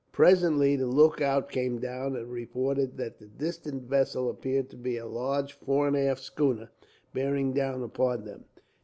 Presently the lookout came down, and reported that the distant vessel appeared to be a large fore and aft schooner, bearing down upon them.